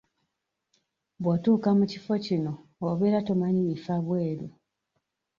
Bw'otuuka mu kifo kino obeera tomanyi bifa bweru.